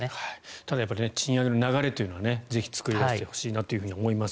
ただ賃上げの流れというのはぜひ作ってほしいと思います。